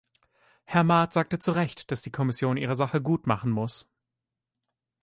Herr Maat sagte zu Recht, dass die Kommission ihre Sache gut machen muss.